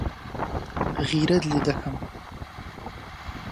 غیرەت لێ دەکەم.